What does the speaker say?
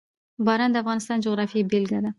باران د افغانستان د جغرافیې بېلګه ده.